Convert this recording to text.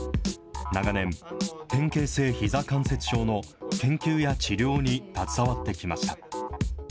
長年、変形性ひざ関節症の研究や治療に携わってきました。